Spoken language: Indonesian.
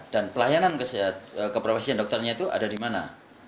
dan pelayanan ke profesi dokternya itu ada di mana